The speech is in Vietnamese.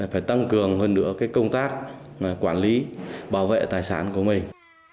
phải tăng cường hơn nữa công tác quản lý bảo vệ tài sản của mình